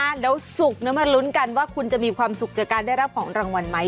แล้วสุขมาลุ้นกันว่าคุณจะมีความสุขจากการได้รับของรางวัลไหม